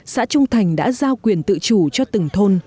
xã trung thành đã giao quyền tự chủ cho từng thôn